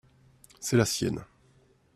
c'est la sienne.